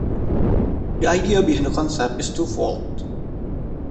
The idea behind the concept is two-fold.